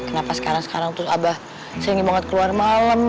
kenapa sekarang sekarang terus abah sering banget keluar malam